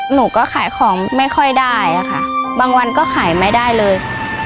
หนูก็ขายของไม่ค่อยได้ค่ะบางวันก็ขายไม่ได้เลย